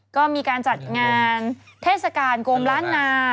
ก็มีการจัดงานเทศกาลโกมล้านนา